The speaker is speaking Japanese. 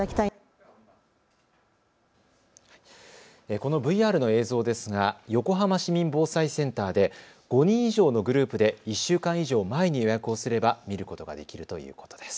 このＶＲの映像ですが横浜市民防災センターで５人以上のグループで１週間以上前に予約をすれば見ることができるということです。